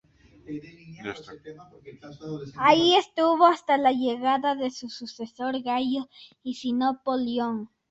Allí estuvo hasta la llegada de su sucesor, Gayo Asinio Polión.